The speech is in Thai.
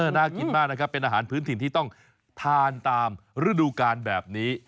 น่ากินมากนะครับเป็นอาหารพื้นถิ่นที่ต้องทานตามฤดูการแบบนี้